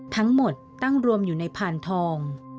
ทั้งหมดตั้งรวมอยู่ในพานทอง